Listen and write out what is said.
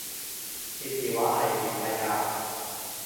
接電話係免費㗎